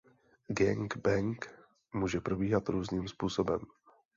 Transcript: Gang bang může probíhat různým způsobem.